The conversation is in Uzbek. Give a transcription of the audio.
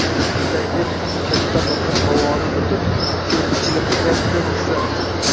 Shunday deb katta Baqa havoni yutib o‘z ichiga puflabdi, puflabdi